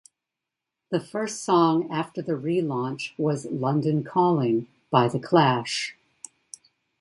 The first song after the relaunch was "London Calling" by The Clash.